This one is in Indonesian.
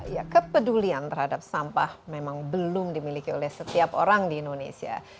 ya kepedulian terhadap sampah memang belum dimiliki oleh setiap orang di indonesia